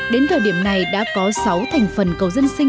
đến thời điểm này đã có sáu thành phần cầu dân sinh